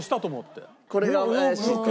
これが怪しいと。